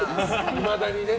いまだにね。